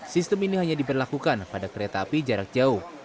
sistem ini hanya diberlakukan pada kereta api jarak jauh